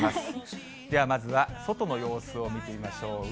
ではまずは外の様子を見てみましょう。